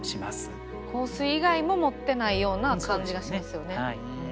香水以外も持ってないような感じがしますよね。